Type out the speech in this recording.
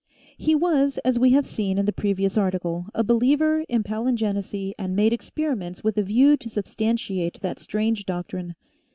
He was, as we have seen in the previous article, a believer in palingenesy and made experiments with a view to substantiate that strange doctrine.